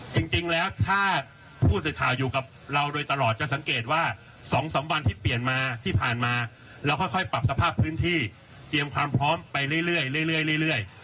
จริงแล้วถ้าผู้สื่อข่าวอยู่กับเราโดยตลอดจะสังเกตว่า๒๓วันที่เปลี่ยนมาที่ผ่านมาเราค่อยปรับสภาพพื้นที่เตรียมความพร้อมไปเรื่อย